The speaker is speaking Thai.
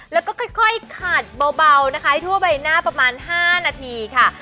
แล้วก็ค่อยขาดเบานะคะให้ทั่วใบหน้าประมาณ๕นาทีค่ะ